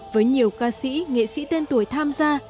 với nhiều ca sĩ nghệ sĩ tên tuổi tham gia